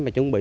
mà chuẩn bị